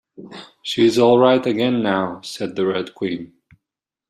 ‘She’s all right again now,’ said the Red Queen.